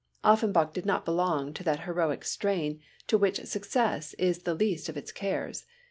Offenbach did not belong to that heroic strain to which success is the least of its cares.